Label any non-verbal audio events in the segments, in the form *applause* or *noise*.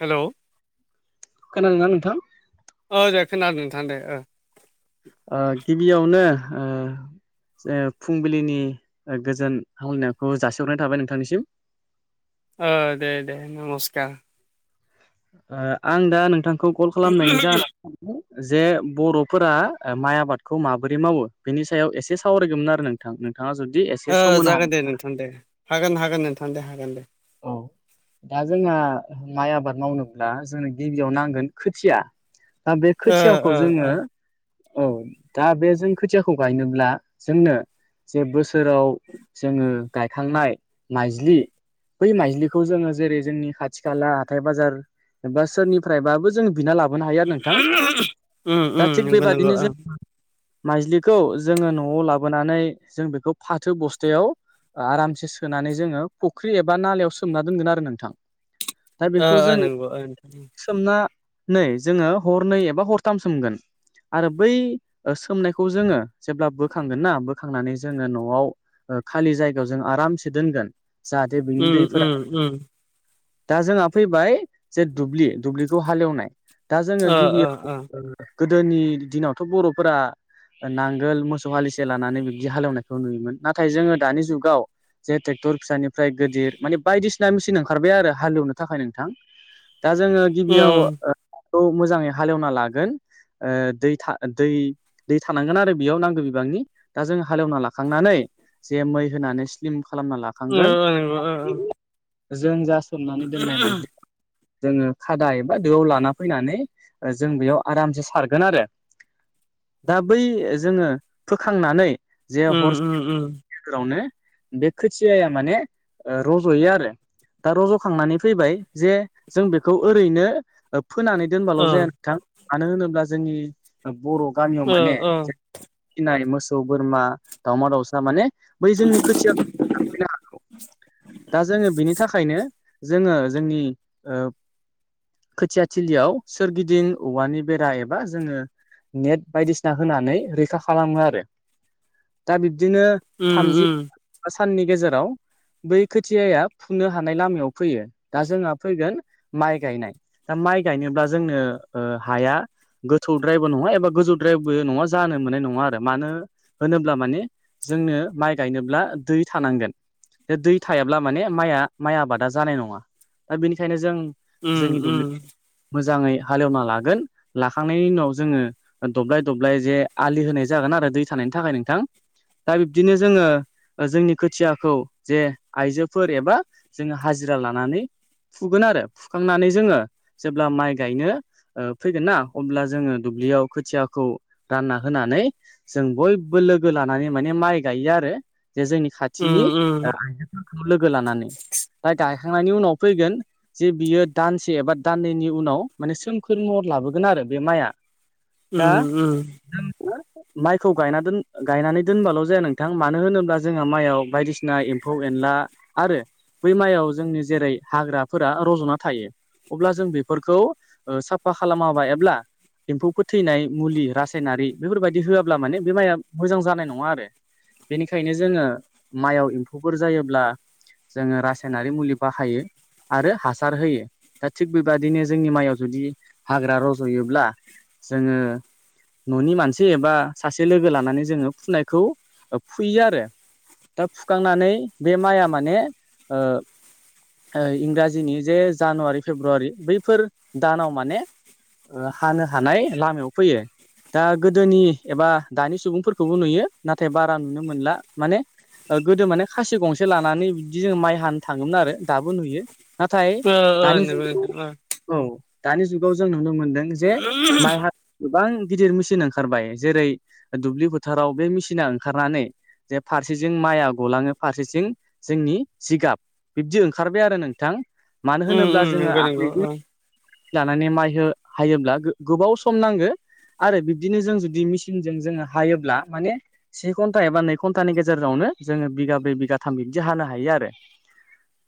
हेल'। खोनादों ना नोंथां? ओ दे खोनादों नोंथां दे ओ। ओ गिबियावनो ओ जे फुंबिलिनि गोजोन हामलानायखौ जासिहरनाय थाबाय नोंथांनिसिम। ओ दे दे नमस्कार। आं दा नोंथांखौ कल खालामनायनि जाहोना जे बर'फोरा माइ आबादखौ माबोरै मावो बेनि सायाव एसे सा सावरायगौमोन आरो नोंथांनो। थाङा जुदि एस जागोन दे नोंथां दे हागोन हागोन नोंथां दे हागोन दे। औ दा जोंहा माइ आबाद मावनोब्ला जोंनो गिबियाव नांगोन खोथिया। दा बे ओ ओ खोथियाखौ ओ जोङो औ दा बे जों खोथियाखौ गायनोब्ला जोंनो जे बोसोराव जोङो गायखांनाय माइज्लि। बै माइज्लिखौ जोङो जेरै जोंनि खाथि खाला हाथाय बाजार एबा सोरनिफ्रायबाबो जों बिना लाब बोनो हायो आरो नोंथां उम दा उम थिग नंगौ नंगौ बेबादिनो ओं जो माइजलिखौ जोङो न'आव लाबोनानै जों बेखौ फाथो बस्थायाव आरामसे सोनानै जोङो फुख्रि एब बा नालायाव सोमना दोनगोन आरो नोंथां दा ओ बेखौ ओ जों नंगौ ओ नोंथां सोमना नै जोङो हरनै एबा हरथाम सोमगोन। आरो बै सोमनायखौ जोङो जेब्ला बोखांगोन ना बोखांनानै जोङो न'आव खालि जायगायाव जों आरामसे दोनगोन जाहाथे बिनि उम दैफोरा उम उम दा जोंहा फैबाय जे दुब्लि दुब्लिखौ हालेवनाय। दा जोङो ओ ओ गिबिया ओ गोदोनि दिनावथ' बर'फोरा नांगोल मोसौ हालिसे लानानै बिब्दि हालेवनायखौ नुयोमोन नाथाय जोङो दानि जुगाव जे टेकटरफिसानि फ्राय गिदिर माने बायदिसिना मेचिन ओंखारबाय आरो हालेवनो थाखाय नोंथां दा जोङो गिबियाव उम हाखौ मोजाङै हालेवना लागोन दै था दै दै थानांगोन आरो बेयाव नांगौ बिबांनि दा जों हालेवना लाखांनानै जे मै होनानै स्लिम खालामना लाख खांगोन ओ नंगौ ओ जों जा समनानै दोननाय माइजलि जोङो खादा एा दोआव लाना फैनानै जों बेयाव आरामसे सारगोन आरो। दा बै जोङो फोखांनानै जे उम हर उम उम गेजेरावनो बे खोथियाया माने ओ रज'यो आरो। दा रज'खांनानै फैबाय जे जों बेखौ ओरैनो फोनानै दोनबाल' ओ जाया नोंथां मानो होनोब्ला जोंनि बर' गामियाव ओ माने ओ फिनाय मोसौ बोरमा दावमा दाउसा माने बै जोंनि खोथिया *inaudible* हागौ *inaudible* दा जोङो बिनि थाखायनो जोङो जोंनि ओ खोथिया थलियाव सोरगिदिं औवानि बेरा एबा जोङो नेट बायदिसिना होनानै रैखा खालामो आरो दा बिब्दिनो उम थामजि उम साननि गेजेराव बै खोथियाया फुननो हानाय लामायाव फैयो दा जोंहा फैगोन माइ गायनाय दा माइ गायनोब्ला जोंनो हाया गोथौ द्रायबो नङा एबा गोजौ द्रायभबो नङा जानो मोननाय नङा आरो मानो होनोब्ला माने जोंनो माइ गायनोब्ला दै थानांगोन बे दै थायाब्ला माने माइआ माइ आबादा जानाय नङा दा बेनिखायनो जों जोंनि उम दुब्लि मोजाङै हालेवना लागोन लाखांनायनि उनाव जोङो दब्लाय दब्लाय जे आलि होनाय जागोन आरो दै थानायनि थाखाय नोंथां दा बिब्दिनो जोङो जोंनि खोथियाखौ जे आइजोफोर एबा जोङो हाजिरा लानानै फुगोन आरो फुखांनानै जोङो जेब्ला माइ गायनो फैगोन ना अब्ला जोङो दुब्लियाव खोथियाखौ रानना होनानै जों बयबो लोगो लानानै माने माइ गायो आरो जे जोंनि खाथिनि उम उम आइजोफोरखौ लोगो लानानै दा गायखांनायनि उनाव फैगोन जे बियो दानसे एबा दाननैनि उनाव माने सोमखोर महर लाबोगोन आरो बे माइआ दा उम उम माइखौ गायना दोन गायनानै दोनबाल' जाया नोंथां मानो होनोब्ला जोंहा माइआव बायदिसिना फिनाय एम्फौ एनला आरो बै मयाव जोंनि जेरै हाग्राफोरा रज'ना थायो अब्ला जों बेफोरखौ साफा खालामाबाय एब्ला एम्फौ फोथैनाय मुलि रासायनारि बेफोरबायदि होआब्ला माने बे माइआ मोजां जानाय नङा आरो बेनिखायनो जोङो माइआव एम्फौफोर जायोब्ला जोङो रासायनारि मुलि बाहायो आरो हासार होयो दा थिग बेबायदिनो जोंनि माइयाव जुदि हाग्रा रज'योब्ला जोङो न'नि मानसि एबा सासे लोगो लानानै जोङो फुनायखौ फुयो आरो सुखांनानै बे माइआ माने इंराजिनि जे जानुवारि फेब्रुवारि बैफोर दानाव माने हानो हानाय लामायाव फैयो दा गोदोनि एबा दानि सुबुंफोरखौबो नुयो नाथाय बारा नुनो मोनला माने गोदो माने खासि गंसे लानानै बिदि जों माइ हानो थाङोमोन आरो दाबो नुयो नाथाय ओ ओ दानि ज नंगौ नोंथां औ दानि जुगाव जों नुनो मोनदों जे ओ माइ ह गोबां गिदिर मेसिन ओंखारबाय जेरै दुब्लि फोथाराव बे मेसिना ओंखारनानै जे फारसेथिं माइआ गलाङो फारसेथिं जोंनि जिगाब बिब्दि ओंखारबाय आरो नों नोंथां मानो उम होनोब्ला उम जोङो नंगौ नंगौ आखाइजों ओ लानानै माइ हायोब्ला गोबाव सम नांगो आरो बिब्दिनो जों जुदि मेचिनजों जोङो हायोब्ला माने से घन्टा एबा नै घन्टानि गेजेरावनो जोङो बिगाब्रै बिगाथाम बिब्दि हानो हायो आरो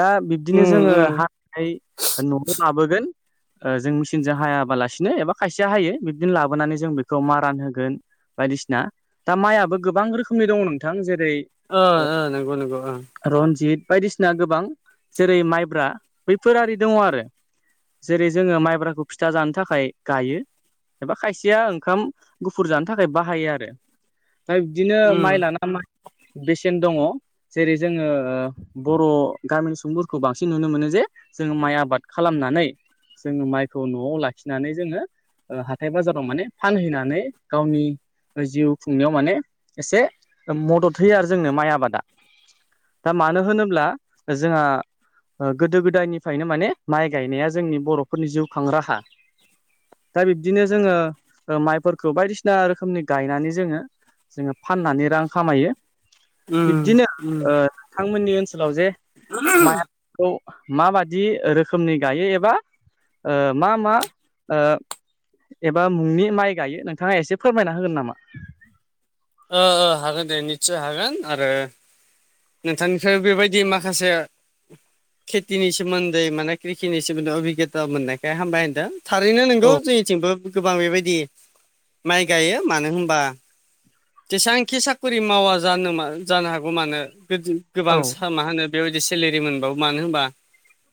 दा बिब्दिनो उम जोङो उम हा न'आव लाबोगोन ओ जों मिचिनजों हायाबालासिनो एबा खायसेया हायो बिब्दिनो लाबोनानै जों बेखौ मारान होगोन बायदिसिना दा माइयाबो गोबां रोखोमनि दङ नोंथां जेरै ओ ओ नंगौ नंगौ ओ रनजित बायदिसिना गोबां जेरै माइब्रा बैफोरि दङ आरो जेरै जोङो माइब्राखौ फिथा जानो थाखाय गायो एबा खायसेया ओंखाम गुफुर जानो थाखाय बाहायो आरो दा बिदिनो उम माइ लाना माइ बेसेन दङ जेरै जोङो ओ बर' गामिनि सुबुंफोरखौ बांसिन नुनो मोनो जे जोङो माइ आबाद खालामनानै जोङो माइखौ न'आव लाखिनानै जोङो ओ हाथाय बाजाराव माने फानहैनानै गावनि जिउ खुंनायाव माने एसे मदद होयो आरो जोंनो माइ आबादा दा मानो होनोब्ला जोंहा ओ गोदो गोदायनिफ्रायनो माने माइ गायनाया जोंनि बर'फोरनि जिउखां राहा। दा बिब्दिनो जोङो ओ माइफोरखौ बायदिसिना रोखोमनि गायनानै जोङो जोङो फाननानै रां खामायो। उम बिब्दिनो उम ओ नोंथांमोननि ओनसोलाव जे माइ आबादखौ माबादि रोखोमनि गायो एबा ओ मा मा ओ एबा मुंनि माइ गायो नोंथाङा एसे फोरमायना होगोन नामा? ओ हागोन दे निस्सय हागोन आरो नोंथांनिफ्राय बेबायदि माखासे खेथिनि सोमोन्दै माने खृषिनि सोमोन्दै अबिगथा मोननायखाय हामबाय होनदों। थारैनो औ नंगौ जोंनिथिंबो गोबां बेबायदि माइ गायो मानो होनबा जेसेबांखि साखरि मावा जानो जानो हागौ मानो गोबां औ मा होनो बेबायदि सेलेरि मोनबाबो मानो होनबा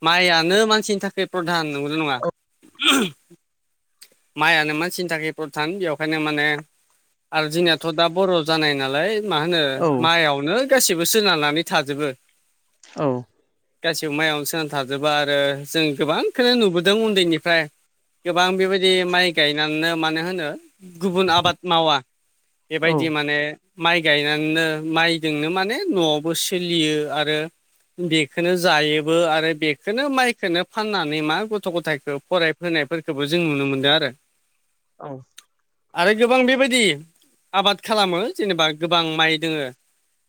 माइयानो मानसिनि थाखाय प्रधान नंगौना नङा? औ *unintelligible* माइयानो मानसिनि थाखाय प्रथान बेखायनो माने आरो जोंनियाथ' थ' दा बर' जानाय नालाय मा होनो औ माइयावनो गासैबो सोनारनानै थाजोबो। औ गासैबो माइयावनो सोनानै थाजोबो आरो जों गोबांखोनो नुबोदों उन्दैनिफ्राय गोबां बेबायदि माइ गायनानैनो मानो होनो गुबुन आबाद मावा। औ बेबायदि माने माइ गायनानैनो माइजोंनो माने न'आवबो सोलियो आरो बेखोनो जायोबो आरो बेखोनो माइखौनो फाननानै मा गथ' गथायखो फराय होनाय फोरखौबो जों नुनो मोनदों आरो। औ आरो गोबां बेबायदि आबाद खालामो जेनेबा गोबां माइ दोङो।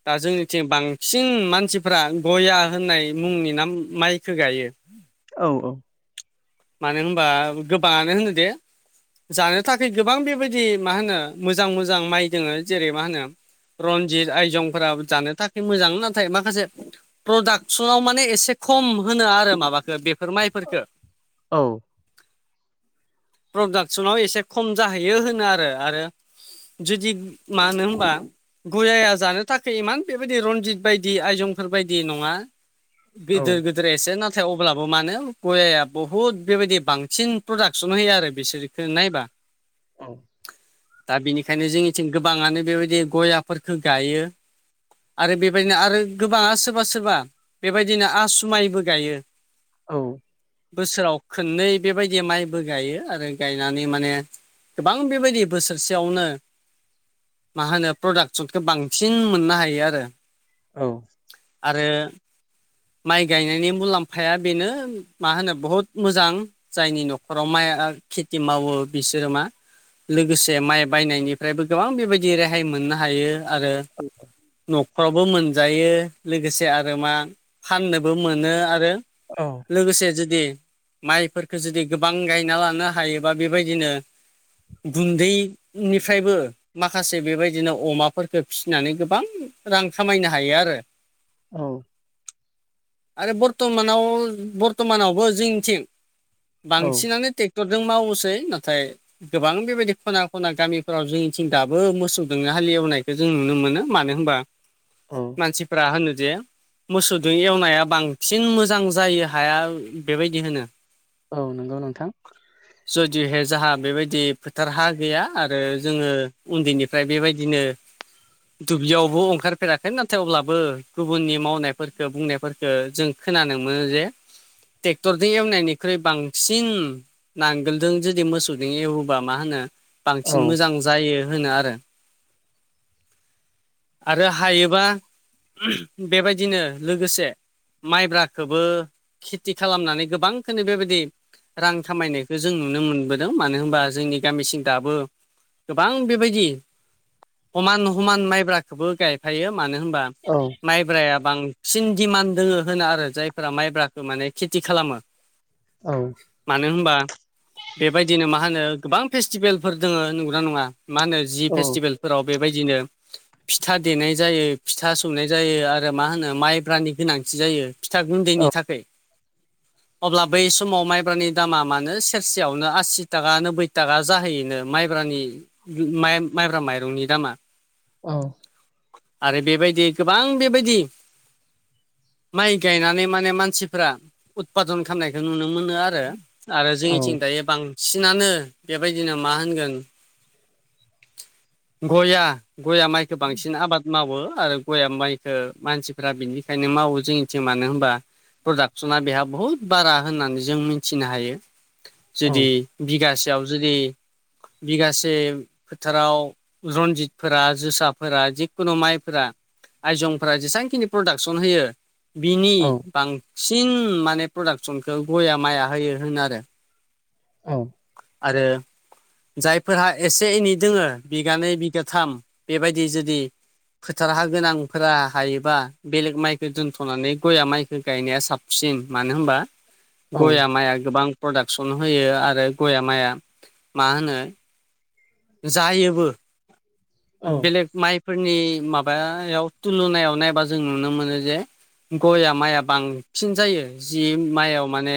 दा जोंनिथिं बांसिन मानसिफ्रा गया होननाय मुंनि ना माइखो गायो। औ औ। मानो होनबा गोबाङानो होनो दे जानो थाखाय गोबां बेबायदि मा होनो मोजां मोजां माइ दोङो जेरै मा होनो रनजित आयजंफोरा जानो थाखाय मोजां नाथाय माखासे प्रदाक्सनाव माने एसे खम होनो आरो माबखो बेफोर माइफोरखो। औ प्रडाक्सनाव एसे खम जाहैयो होनो आरो, आरो जुदि मानो होमबा गयाया जानो थाखाय इमान बेबायदि रनजित बायदि आयजंफोर बायदि नङा। औ गोदोर गोदोर गिदिर एसे नाथाय अब्लाबो मानो गयाया बहुद बेबायदि बांसिन प्रडाक्सन होयो आरो बिसोर। नायबा औ दा बिनिखायनो जोंनिथिं गोबाङानो बेबायदि गयाफोरखौ गायो। आरो बेबायदिनो आरो गोबाङा सोरबा सोरबा बेबायदिनो आसु माइबो गायो। औ बोसोराव खोननै बेबायदि माइबो गायो आरो गायनानै माने गोबां बेबायदि बोसोरसेयावनो। मा होनो प्रडाक्सनखौ बांसिन मोननो हायो आरो। औ आरो माइ गायनायनि मुलाम्फाया बेनो मा होनो बहुद मोजां। जायनि न'खराव माइ खेथि मावो बिसोरो मा लोगोसे माइ बायनायनि फ्रायबो गोबां बेबायदि रेहाय मोननो हायो आरो औ। न'खरावबो मोनजायो लोगोसे आरो मा फाननोबो मोनो आरो औ। लोगोसे जुदि माइफोरखो जुदि गोबां गायना लानो हायोबा बेबायदिनो गुन्दैनिफ्रायबो माखासे बेबायदिनो अमाफोरफोरखौ फिसिनानै गोबां रां खामायनो हायो आरो। औ। आरो बर्तमानाव बर्तमानावबो जोंनिथिं औ बांसिनानो ट्रेक्टरजों मावोसै नाथाय गोबां बेबायदि खना खना गामि फोराव जोंनिथिं दाबो मोसौदोंनो हालि एवनायखौ जों नुनो मोनो मानो होनबा औ मानसिफ्रा होनो जे मोसौदों एवनाया बांसिन मोजां जायो हाया बेबायदि होनो। औ नोंगौ नोंथां। जुदिहे जाहा बेबायदि फोथार हा गैया आ आरो जोङो उन्दैनिफ्राय बेबायदिनो दुब्लियावबो अंखारफेराखै नाथाय अब्लाबो गुबुननि मावनायफोरखो बुंनायफोर ओ जों खोनानो मोनो जे ट्रेक्टरजों एवनायनिख्रुइ बांसिन नांगोलजों जुदि मोसौजों एवोबा मा होनो औ बांसिन मोजां जायो होनो आरो। आरो हायोबा बेबायदिनो लोगोसे माइब्राखोबो खेति खालामनानै गोबांखोनो बेबायदि रां खामायनायखो जों नुनो मोनबोदों मानो होनबा जोंनि गामिसिं दाबो गोबां बेबायदि खमान खमान माइब्राखोबो गायफायो मानो होनबा औ। माइब्राया बांसिन दिमान्ड दोङो होनो आरो जायफोरा माइब्राखौ माने खेति खालामो। औ। मानो होनबा बेबायदिनो मा होनो गोबां फेस स्टिभेलफोर दोङो नंगौना नङा? मा होनो जि औ फेस्टिभेलफोराव बेबायदिनो फिथा देनाय जायो फिथा सोमनाय जायो आरो मा होनो माइब्रानि गोनांथि जायो फिथा औ गुन्दैनि थाखै। अब्ला बै समाव माइब्रानि दामा मानो सेरसेयावनो आसि थाखा नोबै थाखा जाहैयोनो माइब्रानि माइ-माइब्रा माइरंनि दामा। औ। आरो बेबायदि गोबां बेबायदि माइ गायनानै माने मानसिफोरा उदपादन खालामनायखौ नुनो मोनो आरो। आरो औ जोंनिथिं दायो बांसिनानो बेबायदिनो मा होनगोन गया गया माइखो बांसिन आबाद मावो आरो गया माइखो मानसिफोरा बिनिखायनो मावो जोंनि थिं मानो होनबा प्रदाकस'ना बेहा बहुत बारा होननानै जों मिथिनो हायो। औ जुदि बिगासेयाव जुदि बिगासे फोथाराव रनजितफोरा जोसाफोरा जिखुनु माइफोरा आयजंफोरा जेसांखिनि प्रडाक्सन होयो बिनि बांसिन माने प्रडाक्सनखौ गया माइआ होयो होनो आरो। आरो जायफोरहा एसे इनै दोङो बिगानै बिगाथाम बेबायदि जुदि फोथार हा गोनांफोरा हायोबा बेलेग माइखो दोनथ'नानै गया माइखो गायनाया साबसिन मानो होनबा गया माइआ गोबां प्रडाक्सन होयो आरो गया माइआ मा होनो जायोबो बेलेग माइफोरनि माबायाव थुलुनायाव नायबा जों नुनो मोनो जे गयआ माइआ बांसिन जायो जि माइयाव माने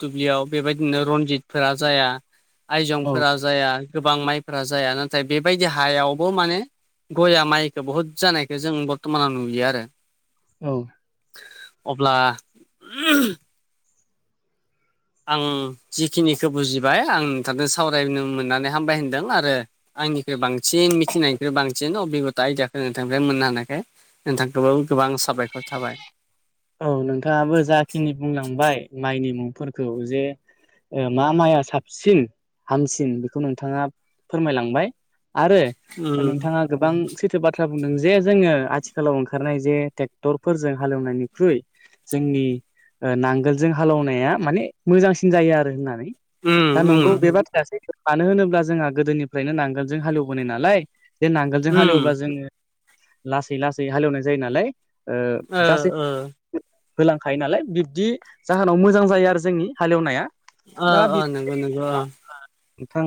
दुब्लियाव बेबायदिनो रनजितफोरा जाया औ आयजंफोरा जाया गोबां माइ फ्रा जाया नाथाय बेबायदि हायावबो माने गया माइखौो बहुत जानायखौ जों बर्थ'मानाव नुयो आरो औ अब्ला आं जिखिनिखौ बुजिबाय आं नोंथांजों सावरायनो मोननानै हामबाय होनदों आरो आंनिखु बांसिन मिथिनायनिख्रु बांसिन अबिगथा आयदिियाखौ नोंथां मोननो हानायाखाय नोंथांखौबो गोबां साबायखर थाबाय औ नोंथाङाबो जाखिनि बुंलांबाय माइनि मुंफोरखौ जे मा माइआ साबसिन हामसिन बेखौ नोंथाङा फोरमायलांबाय आरो उम नोंथाङा। गोबां सैथो बाथ्रा बुंदों जे जोङो आथिखालाव ओंखारनाय जे ट्रेक्टरफोरजों हालेवनायनि फ्रुइ जोंनि नांगोलजों हालौनाया माने मोजांसिन जायो आरो होननानै दा उम नंगौ उम बे बाथ्रायासै मानो होनोब्ला जोंहा गोदोनिफ्रायनो नांगोन जों हालेवबोनाय नालाय जे नांगोलजों उम हालेवब्ला जोङो लासै लासै हालेवनाय जायो नालाय ओ गासै ओ होलांखायो नालाय बिब्दि जाहोनाव मोजां जायो आरो जोंनि हालेवनाया ओ दा ओ बे नंगौ नंगौ ओ नोंथां